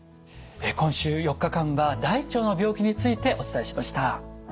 今週４日間は大腸の病気についてお伝えしました。